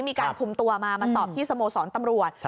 มีการคุมตัวมามาสอบที่สโมสรตำรวจ